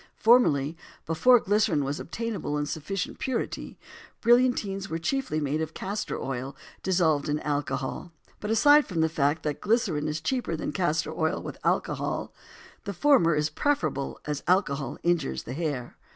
Formerly, before glycerin was obtainable in sufficient purity, brillantines were chiefly made of castor oil dissolved in alcohol, but aside from the fact that glycerin is cheaper than castor oil with alcohol, the former is preferable, as alcohol injures the hair.